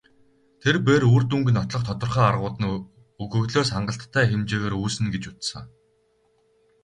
Тэр бээр үр дүнг нотлох тодорхой аргууд нь өгөгдлөөс хангалттай хэмжээгээр үүснэ гэж үзсэн.